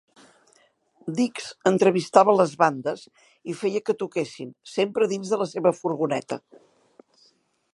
Digs entrevistava les bandes i feia que toquessin, sempre dins de la seva furgoneta.